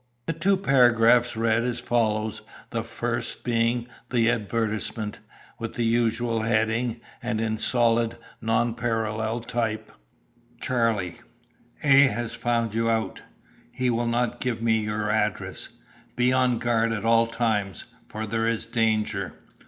The two paragraphs read as follows, the first being an advertisement, with the usual heading, and in solid nonpareil type: "Charlie: A. has found you out. He will not give me your address. Be on guard at all times, for there is danger.